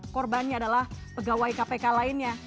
korbannya adalah pegawai kpk lainnya